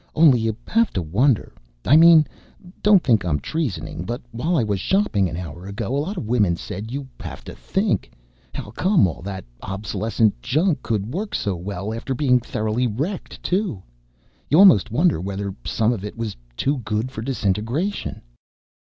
"Only you have to wonder I mean, don't think I'm treasoning, but while I was shopping an hour ago a lot of women said you have to think how come all that obsolescent junk could work so well, after being thoroughly wrecked, too? You almost wonder whether some of it was too good for disintegration."